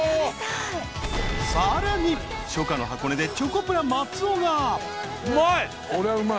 ［さらに初夏の箱根でチョコプラ松尾が］